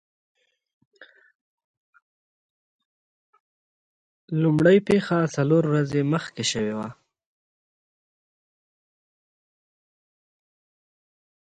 لومړۍ پیښه څلور ورځې مخکې شوې وه.